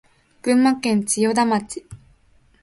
群馬県千代田町